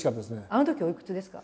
あのときおいくつですか？